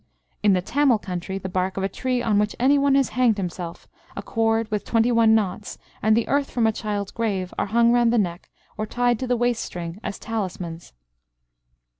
In the Tamil country, the bark of a tree on which any one has hanged himself, a cord with twenty one knots, and the earth from a child's grave, are hung round the neck, or tied to the waist string as talismans.